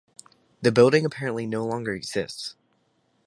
The building apparently no longer exists.